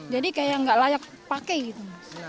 kayak nggak layak pakai gitu